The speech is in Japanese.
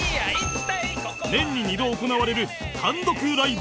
年に２度行われる単独ライブ